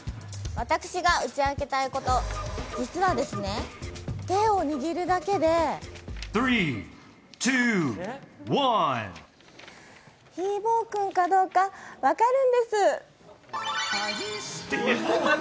私が打ち明けたいこと、実はですね、手を握るだけでひーぼぉくんかどうか分かるんです。